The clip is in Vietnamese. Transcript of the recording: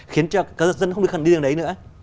khiến cho các dân không được gần đi đường đấy nữa